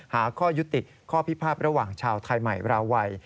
หาข้อยุติข้อพิพาทระหว่างชาวไทยใหม่ราวัย